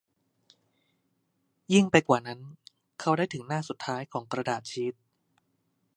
ยิ่งไปกว่านั้น เขาได้าถึงหน้าสุดท้ายของกระดาษชีท